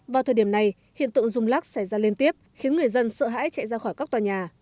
vào thời điểm này hiện tượng rung lắc xảy ra liên tiếp khiến người dân sợ hãi chạy ra khỏi các tòa nhà